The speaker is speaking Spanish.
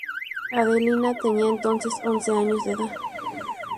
Adelina tenía entonces once años de edad.